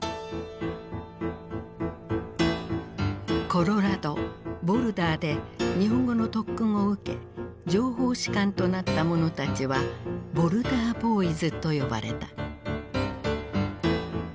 コロラドボルダーで日本語の特訓を受け情報士官となった者たちは「ボルダー・ボーイズ」と呼ばれた。